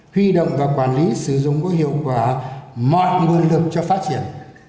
huy động và quản lý sử dụng có hiệu quả mọi nguồn lực cho phát triển